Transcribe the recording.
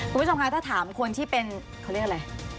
คุณผู้ชมคะถ้าถามคนที่เป็นเขาเรียกอะไร